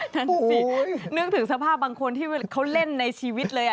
นั่นสินึกถึงสภาพบางคนที่เขาเล่นในชีวิตเลย